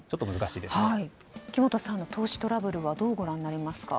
木本さんの投資トラブルはどうご覧になりますか？